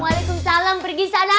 waalaikumsalam pergi sana